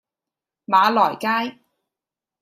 馬來街